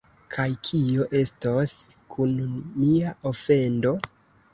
Kaj kio estos kun mia ofendo?